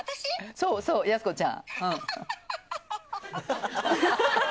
そうそう、やすこちゃん。